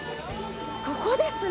ここですね！